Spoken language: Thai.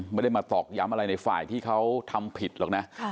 ไม่ได้มาตอกย้ำอะไรในฝ่ายที่เขาทำผิดหรอกนะ